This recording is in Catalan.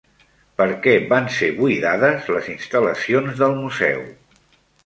Per què van ser buidades les instal·lacions del museu?